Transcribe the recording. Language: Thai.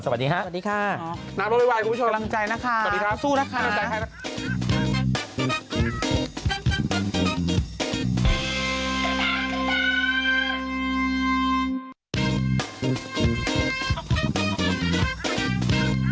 สวัสดีครับสวัสดีค่ะ